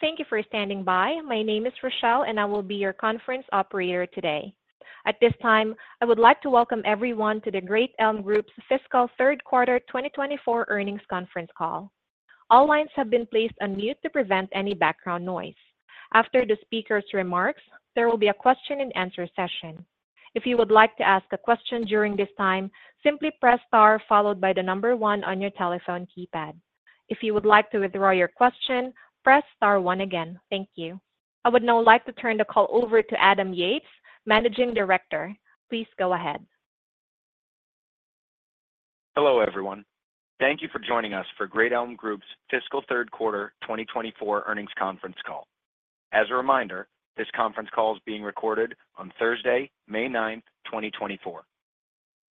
Thank you for standing by. My name is Rochelle, and I will be your conference operator today. At this time, I would like to welcome everyone to the Great Elm Group's fiscal third quarter 2024 earnings conference call. All lines have been placed on mute to prevent any background noise. After the speaker's remarks, there will be a question-and-answer session. If you would like to ask a question during this time, simply press Star followed by the number one on your telephone keypad. If you would like to withdraw your question, press star one again. Thank you. I would now like to turn the call over to Adam Yates, Managing Director. Please go ahead. Hello, everyone. Thank you for joining us for Great Elm Group's fiscal third quarter 2024 earnings conference call. As a reminder, this conference call is being recorded on Thursday, May 9, 2024.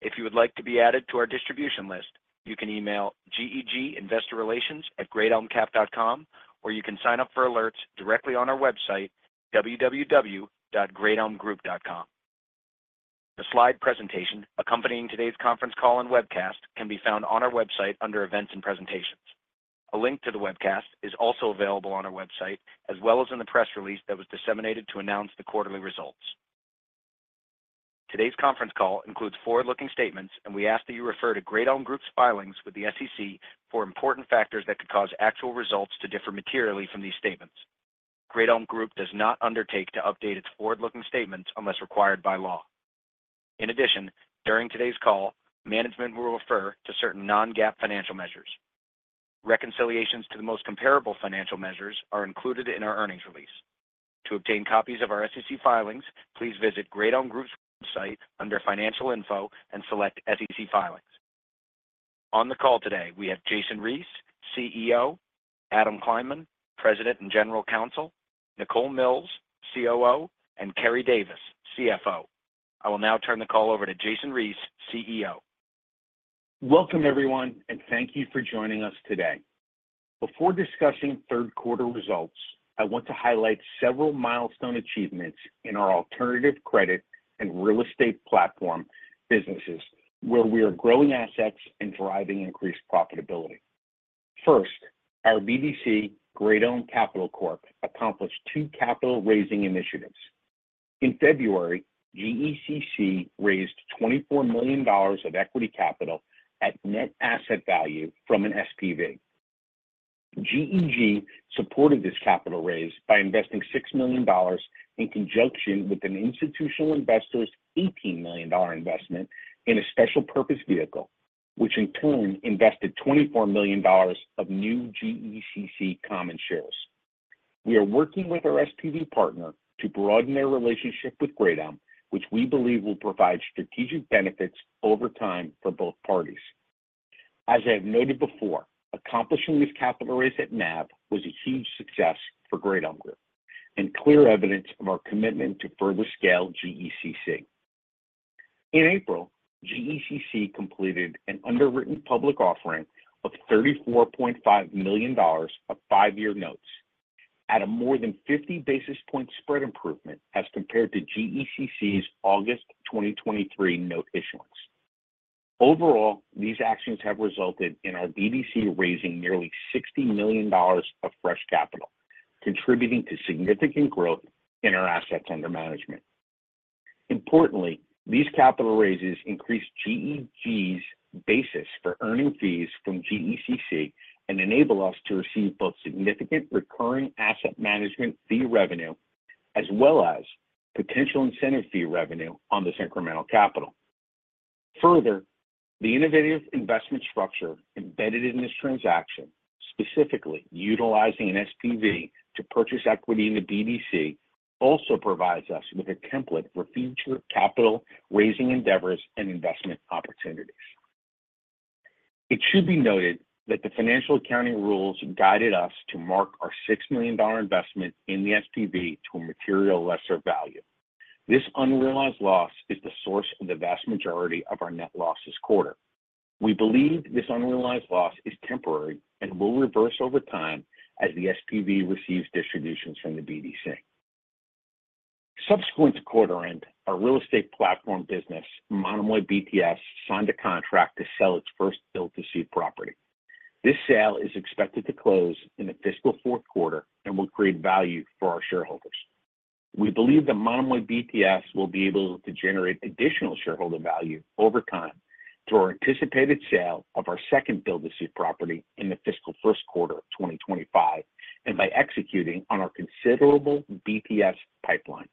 If you would like to be added to our distribution list, you can email GEG investor relations at greatelmcap.com, or you can sign up for alerts directly on our website, www.greatelmgroup.com. The slide presentation accompanying today's conference call and webcast can be found on our website under Events and Presentations. A link to the webcast is also available on our website, as well as in the press release that was disseminated to announce the quarterly results. Today's conference call includes forward-looking statements, and we ask that you refer to Great Elm Group's filings with the SEC for important factors that could cause actual results to differ materially from these statements. Great Elm Group does not undertake to update its forward-looking statements unless required by law. In addition, during today's call, management will refer to certain non-GAAP financial measures. Reconciliations to the most comparable financial measures are included in our earnings release. To obtain copies of our SEC filings, please visit Great Elm Group's website under Financial Info and select SEC Filings. On the call today, we have Jason Reese, CEO; Adam Kleinman, President and General Counsel; Nicole Mills, COO; and Keri Davis, CFO. I will now turn the call over to Jason Reese, CEO. Welcome everyone, and thank you for joining us today. Before discussing third quarter results, I want to highlight several milestone achievements in our alternative credit and real estate platform businesses, where we are growing assets and driving increased profitability. First, our BDC, Great Elm Capital Corp, accomplished two capital-raising initiatives. In February, GECC raised $24 million of equity capital at net asset value from an SPV. GEG supported this capital raise by investing $6 million in conjunction with an institutional investor's $18 million investment in a special purpose vehicle, which in turn invested $24 million of new GECC common shares. We are working with our SPV partner to broaden their relationship with Great Elm, which we believe will provide strategic benefits over time for both parties. As I have noted before, accomplishing this capital raise at NAV was a huge success for Great Elm Group and clear evidence of our commitment to further scale GECC. In April, GECC completed an underwritten public offering of $34.5 million of five-year notes at a more than 50 basis point spread improvement as compared to GECC's August 2023 note issuance. Overall, these actions have resulted in our BDC raising nearly $60 million of fresh capital, contributing to significant growth in our assets under management. Importantly, these capital raises increased GEG's basis for earning fees from GECC and enable us to receive both significant recurring asset management fee revenue as well as potential incentive fee revenue on this incremental capital. Further, the innovative investment structure embedded in this transaction, specifically utilizing an SPV to purchase equity in the BDC, also provides us with a template for future capital-raising endeavors and investment opportunities. It should be noted that the financial accounting rules guided us to mark our $6 million investment in the SPV to a material lesser value. This unrealized loss is the source of the vast majority of our net loss this quarter. We believe this unrealized loss is temporary and will reverse over time as the SPV receives distributions from the BDC. Subsequent to quarter end, our real estate platform business, Monomoy BTS, signed a contract to sell its first build-to-suit property. This sale is expected to close in the fiscal fourth quarter and will create value for our shareholders. We believe that Monomoy BTS will be able to generate additional shareholder value over time through our anticipated sale of our second build-to-suit property in the fiscal first quarter of 2025 and by executing on our considerable BTS pipeline.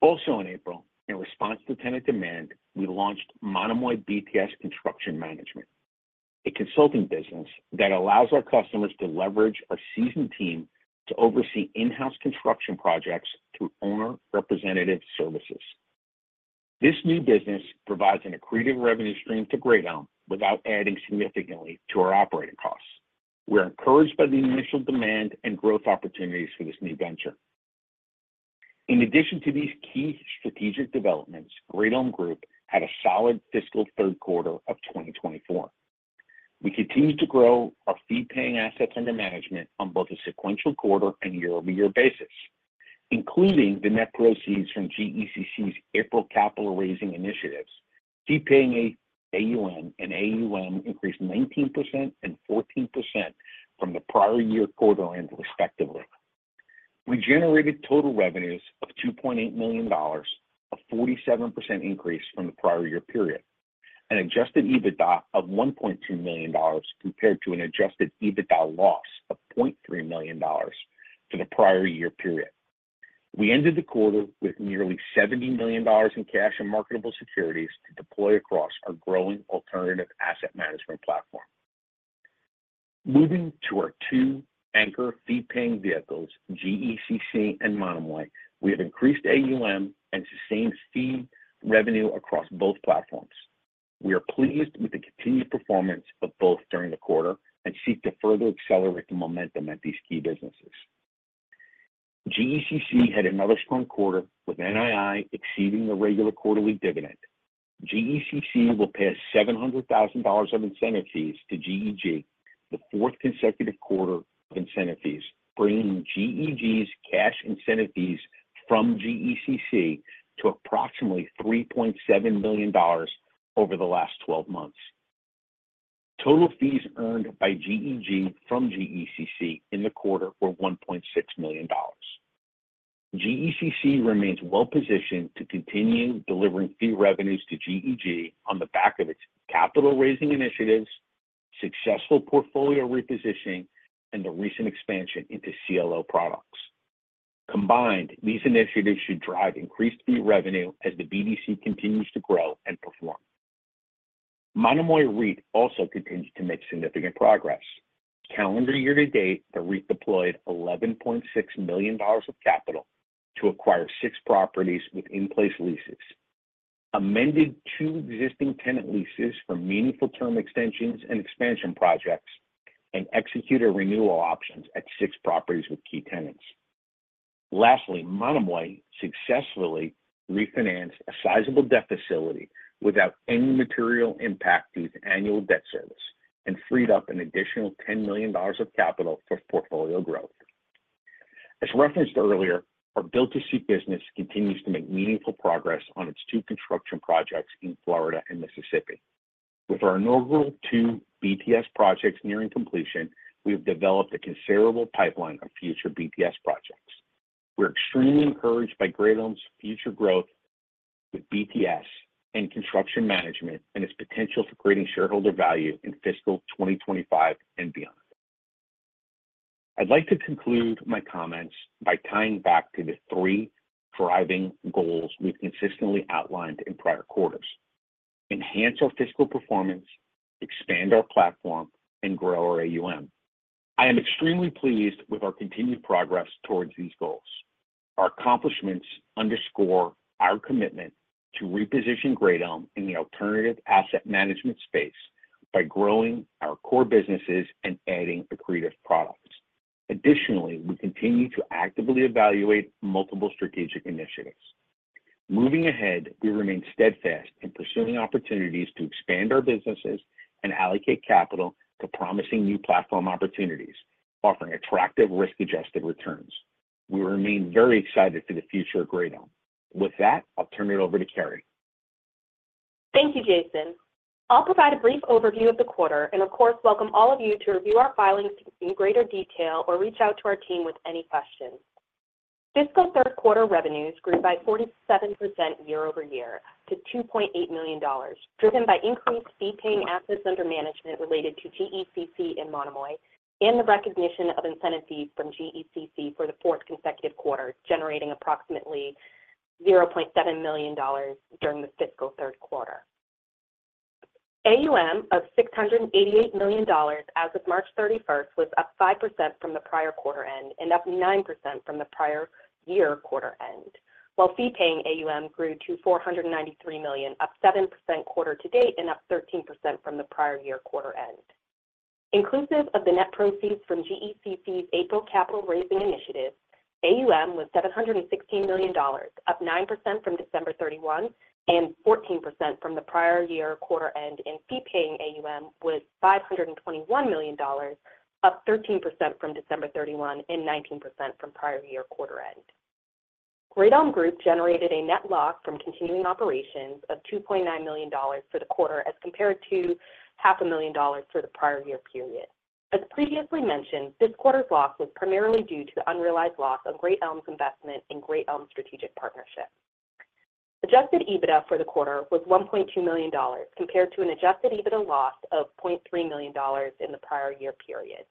Also in April, in response to tenant demand, we launched Monomoy BTS Construction Management, a consulting business that allows our customers to leverage a seasoned team to oversee in-house construction projects through owner representative services. This new business provides an accretive revenue stream to Great Elm without adding significantly to our operating costs. We are encouraged by the initial demand and growth opportunities for this new venture. In addition to these key strategic developments, Great Elm Group had a solid fiscal third quarter of 2024. We continued to grow our fee-paying assets under management on both a sequential quarter and year-over-year basis. Including the net proceeds from GECC's April capital raising initiatives, fee-paying AUM and AUM increased 19% and 14% from the prior year quarter end, respectively. We generated total revenues of $2.8 million, a 47% increase from the prior year period. An adjusted EBITDA of $1.2 million, compared to an adjusted EBITDA loss of $0.3 million for the prior year period. We ended the quarter with nearly $70 million in cash and marketable securities to deploy across our growing alternative asset management platform. Moving to our two anchor fee-paying vehicles, GECC and Monomoy, we have increased AUM and sustained fee revenue across both platforms. We are pleased with the continued performance of both during the quarter and seek to further accelerate the momentum at these key businesses. GECC had another strong quarter, with NII exceeding the regular quarterly dividend. GECC will pay $700,000 of incentive fees to GEG, the fourth consecutive quarter of incentive fees, bringing GEG's cash incentive fees from GECC to approximately $3.7 million over the last 12 months. Total fees earned by GEG from GECC in the quarter were $1.6 million. GECC remains well-positioned to continue delivering fee revenues to GEG on the back of its capital raising initiatives, successful portfolio repositioning, and the recent expansion into CLO products. Combined, these initiatives should drive increased fee revenue as the BDC continues to grow and perform. Monomoy REIT also continues to make significant progress. Calendar year to date, the REIT deployed $11.6 million of capital to acquire 6 properties with in-place leases, amended two existing tenant leases for meaningful term extensions and expansion projects, and executed renewal options at six properties with key tenants. Lastly, Monomoy successfully refinanced a sizable debt facility without any material impact to its annual debt service and freed up an additional $10 million of capital for portfolio growth. As referenced earlier, our build-to-suit business continues to make meaningful progress on its two construction projects in Florida and Mississippi. With our inaugural 2 BTS projects nearing completion, we have developed a considerable pipeline of future BTS projects. We're extremely encouraged by Great Elm's future growth with BTS and construction management and its potential for creating shareholder value in fiscal 2025 and beyond. I'd like to conclude my comments by tying back to the three driving goals we've consistently outlined in prior quarters: enhance our fiscal performance, expand our platform, and grow our AUM. I am extremely pleased with our continued progress towards these goals. Our accomplishments underscore our commitment to reposition Great Elm in the alternative asset management space by growing our core businesses and adding accretive products. Additionally, we continue to actively evaluate multiple strategic initiatives. Moving ahead, we remain steadfast in pursuing opportunities to expand our businesses and allocate capital to promising new platform opportunities, offering attractive risk-adjusted returns. We remain very excited for the future of Great Elm. With that, I'll turn it over to Keri. Thank you, Jason. I'll provide a brief overview of the quarter and, of course, welcome all of you to review our filings in greater detail or reach out to our team with any questions. Fiscal third quarter revenues grew by 47% year-over-year to $2.8 million, driven by increased fee-paying assets under management related to GECC and Monomoy, and the recognition of incentive fees from GECC for the fourth consecutive quarter, generating approximately $0.7 million during the fiscal third quarter. AUM of $688 million as of March 31st, was up 5% from the prior quarter end and up 9% from the prior year quarter end, while fee-paying AUM grew to $493 million, up 7% quarter to date and up 13% from the prior year quarter end. Inclusive of the net proceeds from GECC's April capital raising initiative, AUM was $716 million, up 9% from December 31 and 14% from the prior year quarter end, and fee-paying AUM was $521 million, up 13% from December 31 and 19% from prior year quarter end. Great Elm Group generated a net loss from continuing operations of $2.9 million for the quarter, as compared to $500,000 for the prior year period. As previously mentioned, this quarter's loss was primarily due to the unrealized loss of Great Elm's investment in Great Elm Strategic Partnership. Adjusted EBITDA for the quarter was $1.2 million, compared to an adjusted EBITDA loss of $0.3 million in the prior year period.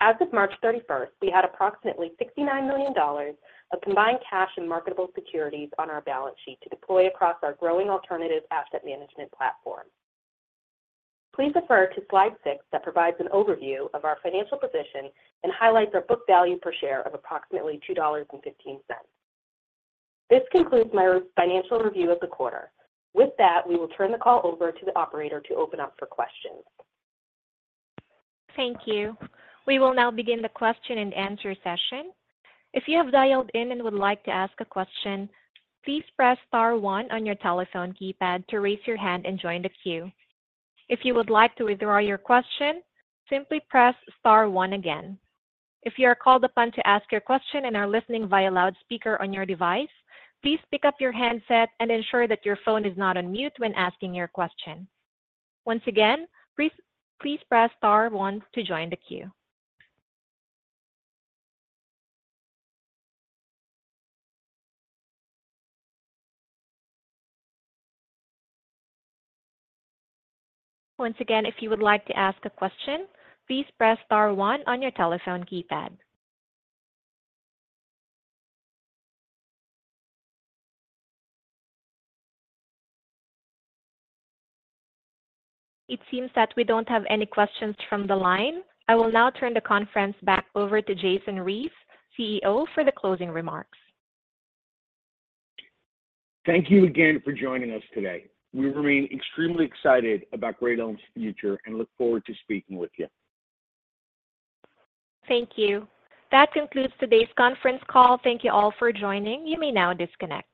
As of March 31, we had approximately $69 million of combined cash and marketable securities on our balance sheet to deploy across our growing alternative asset management platform. Please refer to slide six that provides an overview of our financial position and highlights our book value per share of approximately $2.15. This concludes my financial review of the quarter. With that, we will turn the call over to the operator to open up for questions. Thank you. We will now begin the question-and-answer session. If you have dialed in and would like to ask a question, please press star one on your telephone keypad to raise your hand and join the queue. If you would like to withdraw your question, simply press star one again. If you are called upon to ask your question and are listening via loudspeaker on your device, please pick up your handset and ensure that your phone is not on mute when asking your question. Once again, please, please press star one to join the queue. Once again, if you would like to ask a question, please press star one on your telephone keypad. It seems that we don't have any questions from the line. I will now turn the conference back over to Jason Reese, CEO, for the closing remarks. Thank you again for joining us today. We remain extremely excited about Great Elm's future and look forward to speaking with you. Thank you. That concludes today's conference call. Thank you all for joining. You may now disconnect.